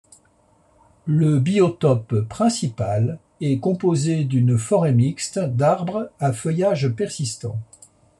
Le biotope principal est composé d'une forêt mixte d'arbres à feuillage persistant.